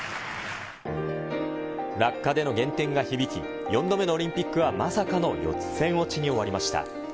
落下での減点が響き、４度目のオリンピックはまさかの予選落ちに終わりました。